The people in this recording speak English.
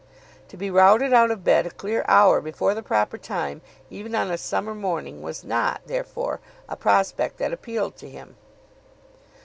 To be routed out of bed a clear hour before the proper time, even on a summer morning, was not, therefore, a prospect that appealed to him.